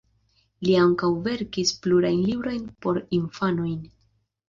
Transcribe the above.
Li ankaŭ verkis plurajn librojn por infanoj.